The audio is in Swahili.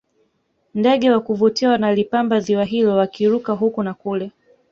ndege wa kuvutia wanalipamba ziwa hilo wakiruka huku na kule